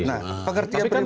nah pengertian pribadi